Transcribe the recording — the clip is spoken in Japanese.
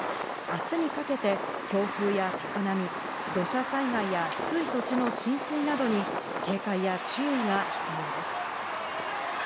明日にかけて強風や高波、土砂災害や低い土地の浸水などに警戒や注意が必要です。